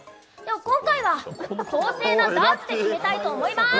今回は公正なダーツで決めたいと思います。